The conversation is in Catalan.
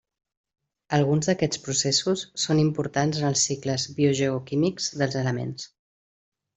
Alguns d'aquests processos són importants en els cicles biogeoquímics dels elements.